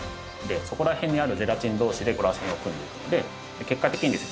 そこら辺にあるゼラチン同士でらせんを組んでいくので結果的にですね